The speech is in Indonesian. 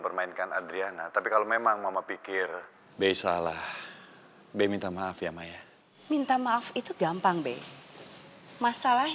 be bicara sama adriana